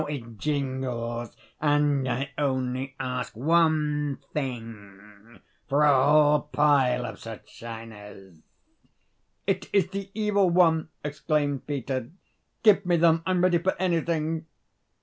how it jingles! And I only ask one thing for a whole pile of such shiners." "It is the Evil One!" exclaimed Peter. "Give me them! I'm ready for anything!"